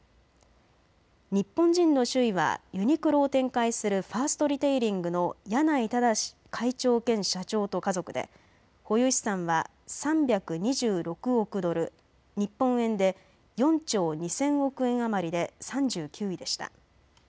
日本人の首位はユニクロを展開するファーストリテイリングの柳井正会長兼社長と家族で保有資産は３２６億ドル、日本円で４兆２０００億円余りで３９位でした。